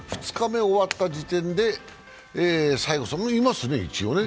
２日目終わった時点で西郷さん、いますね。